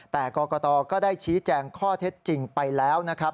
แต่กรกตก็ได้ชี้แจงข้อเท็จจริงไปแล้วนะครับ